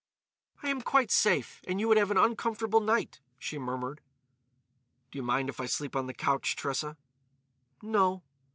"I am quite safe. And you would have an uncomfortable night," she murmured. "Do you mind if I sleep on the couch, Tressa?" "No."